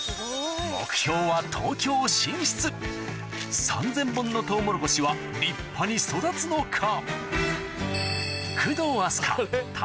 目標は東京進出３０００本のトウモロコシは立派に育つのか？